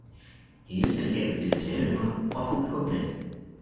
hele selskabet ville tale med mig, og publikum med.